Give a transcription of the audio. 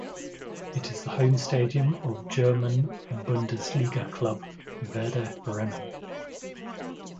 It is the home stadium of German Bundesliga club Werder Bremen.